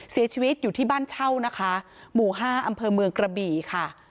เสียชีวิตอยู่ที่บ้านเช่านะคะหมู่๕อำเภอเมืองกระบี่ค่ะ